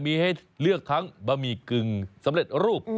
มีให้เลือกทั้งบะหมี่กึ่งสำเร็จรูป